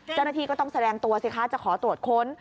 เจ้าหน้าที่ก็ต้องแสดงตัวสิคะจะขอตรวจค้น